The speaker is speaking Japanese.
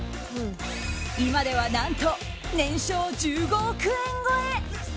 今では何と年商１５億円超え。